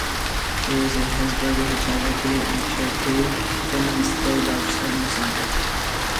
There is a Hesburger Hotel located in Turku, Finland's third largest urban centre.